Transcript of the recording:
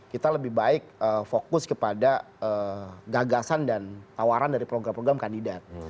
kita lebih baik fokus kepada gagasan dan tawaran dari program program kandidat